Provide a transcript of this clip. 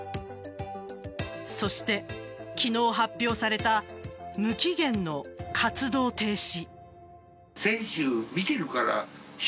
そして、昨日発表された無期限の活動停止。